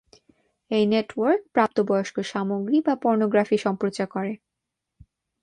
এই নেটওয়ার্ক প্রাপ্তবয়স্ক সামগ্রী বা পর্নোগ্রাফি সম্প্রচার করে।